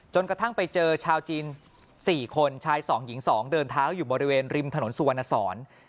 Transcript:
กระทั่งไปเจอชาวจีน๔คนชาย๒หญิง๒เดินเท้าอยู่บริเวณริมถนนสุวรรณสอน